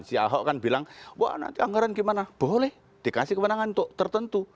si ahok kan bilang wah nanti anggaran gimana boleh dikasih kemenangan untuk tertentu